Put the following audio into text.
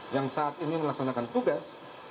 yang saat ini melaksanakan tugas